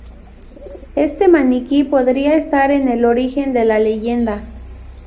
Este maniquí podría estar en el origen de la leyenda.